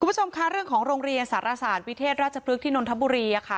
คุณผู้ชมค่ะเรื่องของโรงเรียนสารศาสตร์วิเทศราชพฤกษ์นนทบุรีค่ะ